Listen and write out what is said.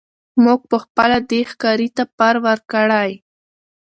موږ پخپله دی ښکاري ته پر ورکړی